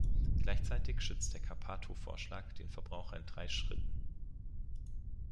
Gleichzeitig schützt der Cappato-Vorschlag den Verbraucher in drei Schritten.